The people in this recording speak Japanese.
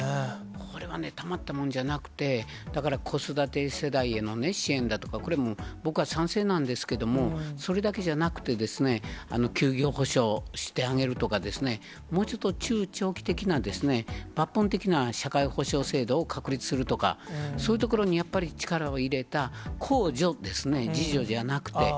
これはね、たまったものじゃなくて、だから子育て世代への支援だとか、これも僕は賛成なんですけれども、それだけじゃなくて、休業補償してあげるとか、もうちょっと中長期的な、抜本的な社会保障制度を確立するとか、そういうところにやっぱり力を入れた、公助ですね、自助じゃなくて。